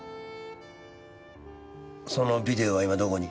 そのビデオは今どこに？